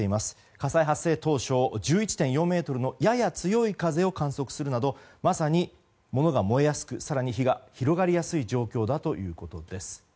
火災発生当初１１．４メートルのやや強い風を観測するなどまさに、物が燃えやすく更に火が広がりやすい状況だということです。